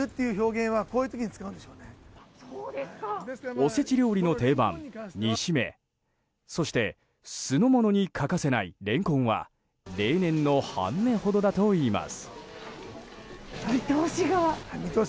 おせち料理の定番、煮しめそして酢の物に欠かせないレンコンは例年の半値ほどだといいます。